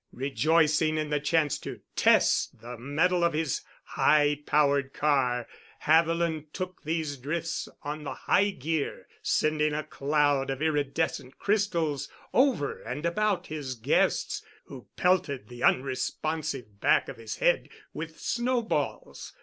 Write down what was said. Rejoicing in the chance to test the mettle of his high powered car, Haviland took these drifts on the high gear, sending a cloud of iridescent crystals over and about his guests, who pelted the unresponsive back of his head with snowballs.